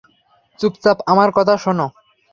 চুপচাপ আমার কথা শোনো।